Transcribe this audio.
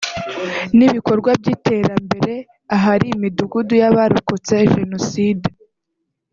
n’ibikorwa by’iterambere ahari imidugudu y’abarokotse Jenoside